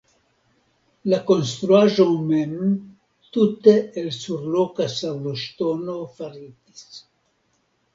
La konstruaĵo mem tute el surloka sabloŝtono faritis.